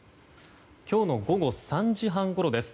今日の午後３時半ごろです。